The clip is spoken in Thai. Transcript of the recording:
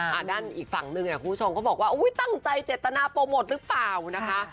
ด้านอีกฝั่งนึงเนี่ยคุณผู้ชมเขาบอกว่าอุ้ยตั้งใจเจตนาโปรโมทหรือเปล่านะคะ